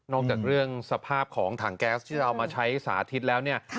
จากเรื่องสภาพของถังแก๊สที่เรามาใช้สาธิตแล้วเนี่ย